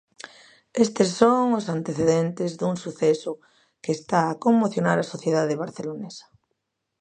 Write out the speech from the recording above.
Estes son os antecedentes dun suceso que está a conmocionar a sociedade barcelonesa.